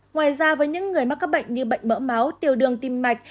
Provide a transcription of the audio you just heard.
ngoài ra với những người mắc các bệnh như bệnh mỡ máu tiểu đường tim mạch